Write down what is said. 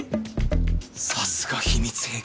さすが秘密兵器！